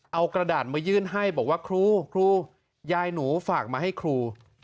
เอากระดาษมายื่นให้บอกว่าครูครูยายหนูฝากมาให้ครู